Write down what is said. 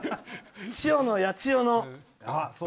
千代、八千代の。